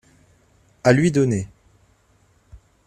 à lui donner.